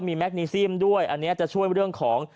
มีแมคนิซิมด้วยอันนี้จะช่วยเรื่องของ